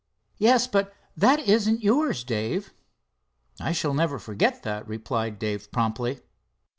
"Yes, but that isn't yours, Dave." "I shall never forget that," replied Dave promptly.